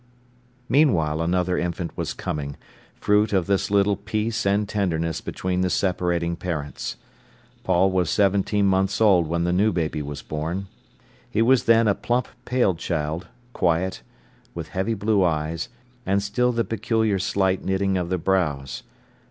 Meanwhile another infant was coming, fruit of this little peace and tenderness between the separating parents. Paul was seventeen months old when the new baby was born. He was then a plump, pale child, quiet, with heavy blue eyes, and still the peculiar slight knitting of the brows.